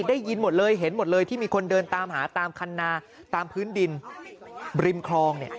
ได้ยินหมดเลยเห็นหมดเลยที่มีคนเดินตามหาตามคันนาตามพื้นดินริมคลองเนี่ย